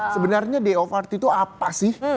sebenarnya day of art itu apa sih